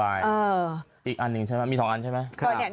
อีกอันหนึ่งใช่ไหมมี๒อันใช่ไหม